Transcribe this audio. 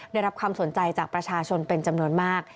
ได้รับความสนใจจากประชาชนเป็นจำนวนมาก